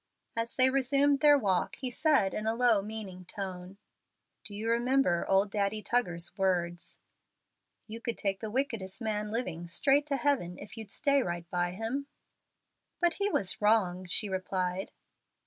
As they resumed their walk, he said in a low, meaning tone, "Do you remember old Daddy Tuggar's words 'You could take the wickedest man living straight to heaven if you'd stay right by him?'" "But he was wrong," she replied.